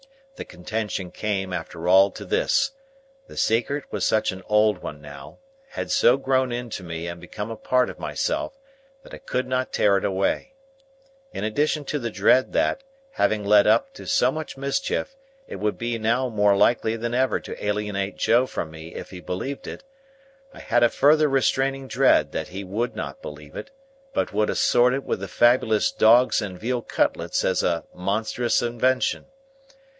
The contention came, after all, to this;—the secret was such an old one now, had so grown into me and become a part of myself, that I could not tear it away. In addition to the dread that, having led up to so much mischief, it would be now more likely than ever to alienate Joe from me if he believed it, I had a further restraining dread that he would not believe it, but would assort it with the fabulous dogs and veal cutlets as a monstrous invention.